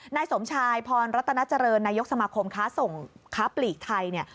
นายสมชายพรรัตนาเจริญนายกสมาคมค้าส่งค้าปลีกไทยเนี่ย